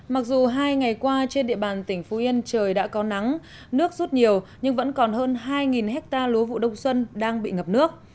mặc dù hai ngày qua trên địa bàn tỉnh phú yên trời đã có nắng nước rút nhiều nhưng vẫn còn hơn hai hectare lúa vụ đông xuân đang bị ngập nước